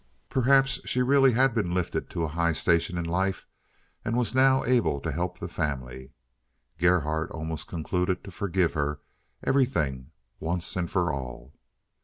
Perhaps she really had been lifted to a high station in life, and was now able to help the family. Gerhardt almost concluded to forgive her everything once and for all.